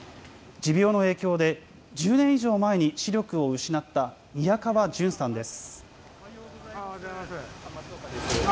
持病の影響で１０年以上前に視力を失った、宮川純さんです。